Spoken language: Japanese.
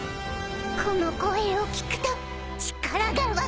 この声を聞くと力が湧くのう。